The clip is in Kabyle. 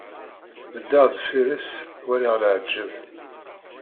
Beddeɣ deffir-s, walaɣ leɛǧeb.